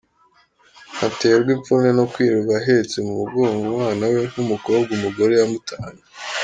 Ntaterwa ipfunwe no kwirirwa ahetse mu mugongo umwana we w'umukobwa umugore yamutanye.